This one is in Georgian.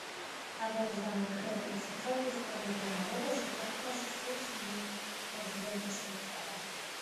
გაბონის დამოუკიდებლობის მთელი ისტორიის განმავლობაში ქვეყანაში სულ სამი პრეზიდენტი შეიცვალა.